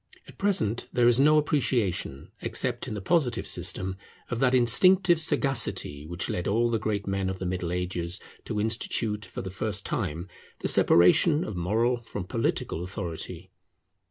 At present there is no appreciation, except in the Positive system, of that instinctive sagacity which led all the great men of the Middle Ages to institute, for the first time, the separation of moral from political authority.